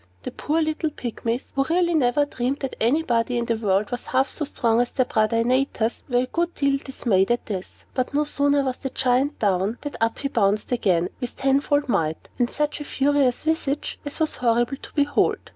The poor little Pygmies (who really never dreamed that anybody in the world was half so strong as their brother Antaeus) were a good deal dismayed at this. But no sooner was the Giant down, than up he bounced again, with tenfold might, and such a furious visage as was horrible to behold.